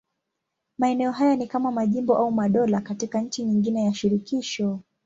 Maeneo haya ni kama majimbo au madola katika nchi nyingine ya shirikisho.